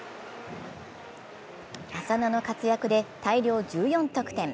浅野の活躍で大量１４得点。